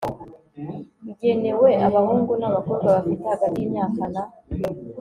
igenewe abahungu n abakobwa bafite hagati y imyaka na